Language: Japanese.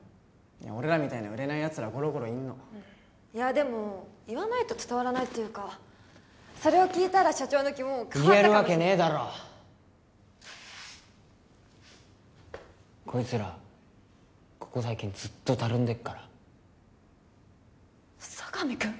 俺らみたいな売れないやつらゴロゴロいんのいやでも言わないと伝わらないっていうかそれを聞いたら社長の気も変わ言えるわけねえだろこいつらここ最近ずっとたるんでっから佐神くん！？